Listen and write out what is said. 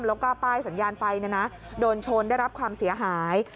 แล้วก็ป้ายสัญญาณไฟโดนชนได้รับความเสียหาย